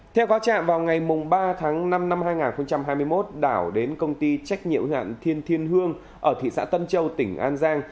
theo cáo trạng vào ngày ba tháng năm năm hai nghìn hai mươi một đảo đến công ty trách nhiệm hoạn thiên thiên hương ở thị xã tân châu tỉnh an giang